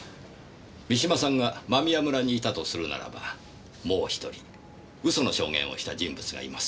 三島さんが間宮村にいたとするならばもう１人嘘の証言をした人物がいます。